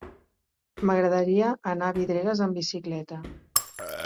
M'agradaria anar a Vidreres amb bicicleta.